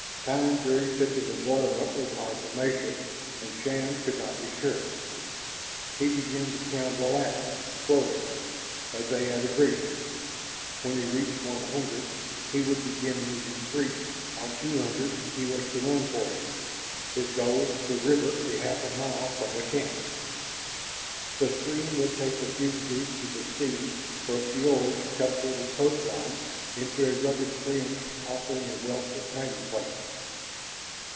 Time during such an embroilment was hard to measure, and Shann could not be sure. He began to count aloud, slowly, as they had agreed. When he reached one hundred he would begin his retreat; on two hundred he was to run for it, his goal the river a half mile from the camp. The stream would take the fugitives to the sea where fiords cut the coastline into a ragged fringe offering a wealth of hiding places.